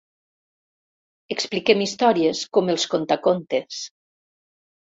Expliquem històries com els contacontes.